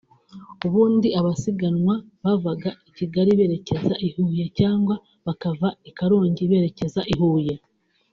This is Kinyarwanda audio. ubundi abasiganwa bavaga i Kigali berekeza i Huye cyagwa bakava i Karongi berekeza i Huye